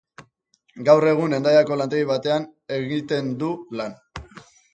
Gaur egun Hendaiako lantegi batean egiten du lan.